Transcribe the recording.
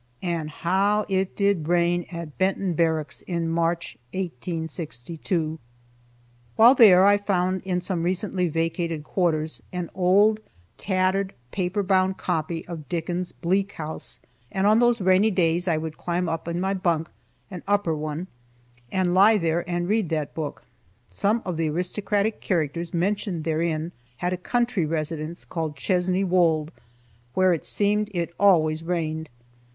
And how it did rain at Benton Barracks in March, 1862! While there, I found in some recently vacated quarters an old tattered, paper bound copy of Dickens' "Bleak House," and on those rainy days I would climb up in my bunk (an upper one), and lie there and read that book. Some of the aristocratic characters mentioned therein had a country residence called "Chesney Wold," where it seemed it always rained.